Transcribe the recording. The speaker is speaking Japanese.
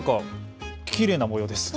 きれいな模様です。